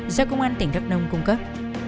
do công an tỉnh đắk nông cung cấp